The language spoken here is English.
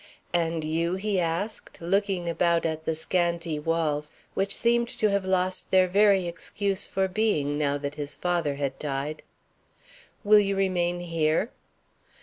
"And you?" he asked, looking about the scanty walls, which seemed to have lost their very excuse for being now that his father had died. "Will you remain here?"